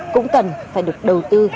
cũng cần phải được đầu tư